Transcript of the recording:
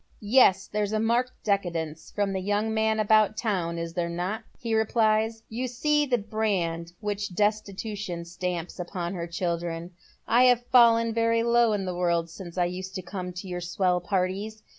" Yes, there's a marked decadence from the young man about town, is there not?" he replies. "You see the brand which Destitution stamps upon her children. I have fallen very low in the world since I used to come to your swell parties.